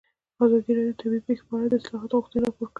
ازادي راډیو د طبیعي پېښې په اړه د اصلاحاتو غوښتنې راپور کړې.